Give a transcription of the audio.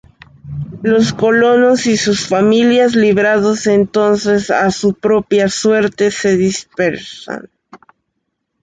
Los colonos y sus familias, librados entonces a su propia suerte, se dispersan.